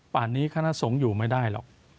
นี้คณะสงฆ์อยู่ไม่ได้หรอก